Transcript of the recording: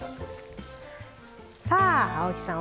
さあ青木さん